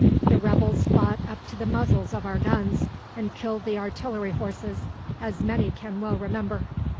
The rebels fought up to the muzzles of our guns, and killed the artillery horses, as many can well remember.